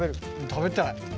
食べたい。